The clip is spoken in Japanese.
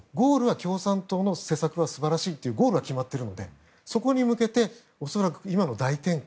共産党の施策は素晴らしいというゴールは決まっているのでそこに向けて恐らく、今の大転換。